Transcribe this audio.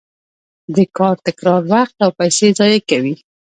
د کار تکرار وخت او پیسې ضایع کوي.